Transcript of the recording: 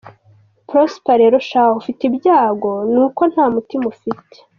Prosper rero shahu, ufite ibyago n’uko nta mutima ufite !